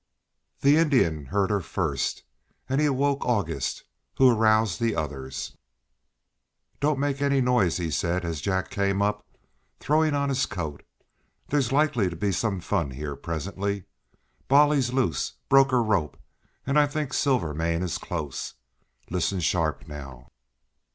The Indian heard her first, and he awoke August, who aroused the others. "Don't make any noise," he said, as Jack came up, throwing on his coat. "There's likely to be some fun here presently. Bolly's loose, broke her rope, and I think Silvermane is close. Listen sharp now."